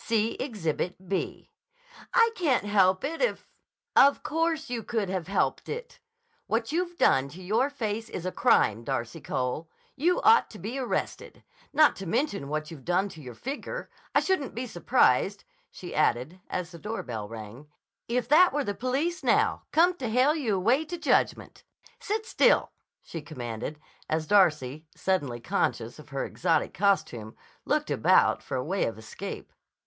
See Exhibit B." "I can't help it if—" "Of course you could have helped it! What you've done to your face is a crime, Darcy Cole! You ought to be arrested! Not to mention what you've done to your figure. I shouldn't be surprised," she added as the doorbell rang, "if that were the police now, come to hale you away to judgment. Sit still," she commanded as Darcy, suddenly conscious of her exotic costume, looked about for a way of escape.